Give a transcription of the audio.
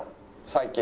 最近。